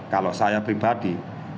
kalau saya pribadi